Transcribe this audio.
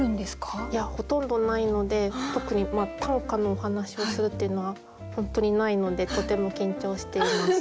いやほとんどないので特に短歌のお話をするっていうのは本当にないのでとても緊張しています。